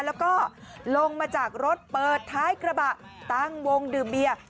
แล้วก็ลงมาจากรถเปิดท้ายกระบะตั้งวงดื่มเบียร์